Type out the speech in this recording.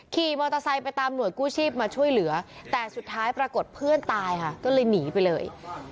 ขี่มอเตอร์ไซค์ไปตามหน่วยกู้ชีพมาช่วยเหลือแต่สุดท้ายปรากฏเพื่อนตายค่ะก็เลยหนีไปเลย